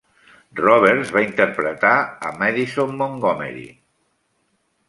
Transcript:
Roberts va interpretar a una a Madison Montgomery.